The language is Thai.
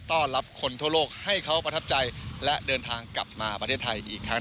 ต้อนรับคนทั่วโลกให้เขาประทับใจและเดินทางกลับมาประเทศไทยอีกครั้ง